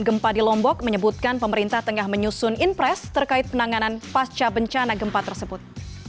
gempa di lombok menyebutkan pemerintah tengah menyusun impres terkait penanganan pasca bencana gempa tersebut